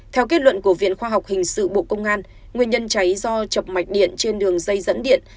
theo kết luận của viện khoa học hình sự bộ công an nguyên nhân cháy do chập mạch điện trên đường dây dẫn điện